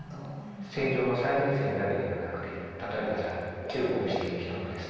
戦場の最前線だけではなくて例えばじゃあ救護をしている人もですね